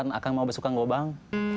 kapan akan mau besok kang gobang